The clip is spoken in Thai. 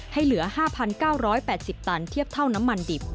เหลือ๕๙๘๐ตันเทียบเท่าน้ำมันดิบ